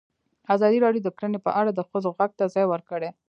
ازادي راډیو د کرهنه په اړه د ښځو غږ ته ځای ورکړی.